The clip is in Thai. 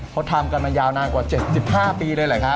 เขาทำกันมายาวนานกว่า๗๕ปีเลยแหละครับ